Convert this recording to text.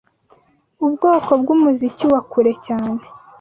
Ubwoko bwumuziki wa kure cyane